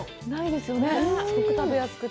すごく食べやすくて。